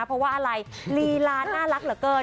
เพราะว่าอะไรลีลาน่ารักเหลือเกิน